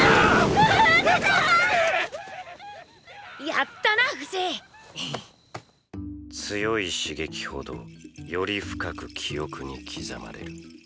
やったなフシ！強い刺激ほどより深く記憶に刻まれる。